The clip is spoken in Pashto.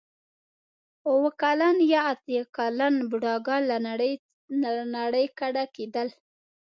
اوه کلن یا اتیا کلن بوډاګان له نړۍ کډه کېدل.